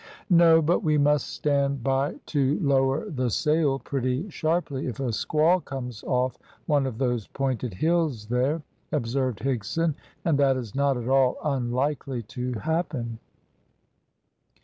"No; but we must stand by to lower the sail pretty sharply if a squall comes off one of those pointed hills there," observed Higson, "and that is not at all unlikely to happen."